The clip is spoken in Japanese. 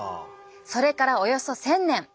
それからおよそ１，０００年。